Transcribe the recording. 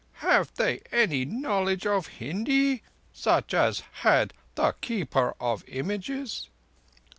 Have they any knowledge of Hindi, such as had the Keeper of Images?"